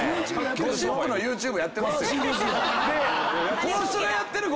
ゴシップのＹｏｕＴｕｂｅやってますよ。